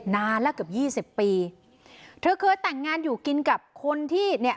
นานแล้วเกือบยี่สิบปีเธอเคยแต่งงานอยู่กินกับคนที่เนี่ย